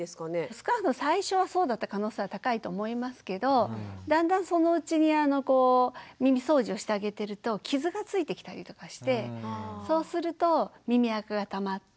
少なくとも最初はそうだった可能性は高いと思いますけどだんだんそのうちに耳そうじをしてあげてると傷がついてきたりとかしてそうすると耳あかがたまって。